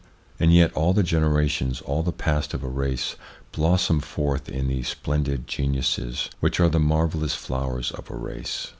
And yet all the generations, all the past of a race, blossom forth in these splendid geniuses which are the marvellous flowers of a race.